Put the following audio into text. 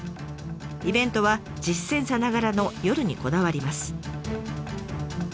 イベントは実戦さながらの夜にこだわります。